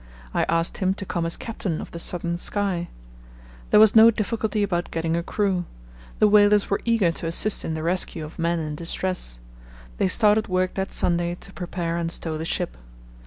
I asked him to come as captain of the Southern Sky. There was no difficulty about getting a crew. The whalers were eager to assist in the rescue of men in distress. They started work that Sunday to prepare and stow the ship.